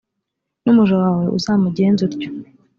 n’umuja wawe uzamugenze utyo.